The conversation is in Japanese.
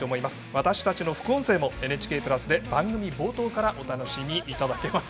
私たちの副音声もＮＨＫプラスで番組冒頭からお楽しみいただけます。